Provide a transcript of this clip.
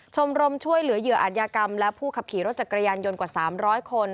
ชมรมช่วยเหลือเหยื่ออัธยากรรมและผู้ขับขี่รถจักรยานยนต์กว่า๓๐๐คน